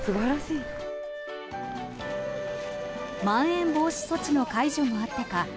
まん延防止措置の解除もあってか